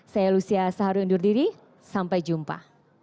saya lucia saharu undur diri sampai jumpa